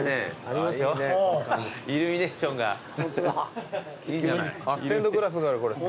あっステンドグラスがあるこれ。